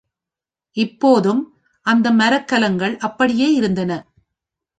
இப்போதும் அந்த மரக்கலங்கள் அப்படியே இருந்தன.